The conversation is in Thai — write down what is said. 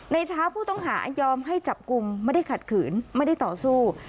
ในเช้าผู้ต้องหายอมให้จับกลุ่มไม่ได้ขัดขืนไม่ได้ต่อสู้